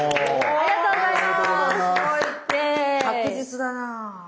ありがとうございます。